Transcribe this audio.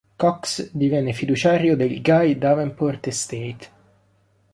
Cox divenne fiduciario del "Guy Davenport Estate".